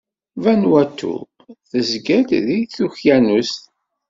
Vanuatu tezga-d deg Tukyanust.